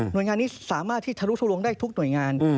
โดยงานนี้สามารถที่ทะลุทุลวงได้ทุกหน่วยงาน